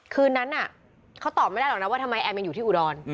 คืนนั้นเขาตอบไม่ได้หรอกนะว่าทำไมแอมยังอยู่ที่อุดร